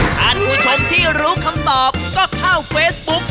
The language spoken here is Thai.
ท่านผู้ชมที่รู้คำตอบก็เข้าเฟซบุ๊ก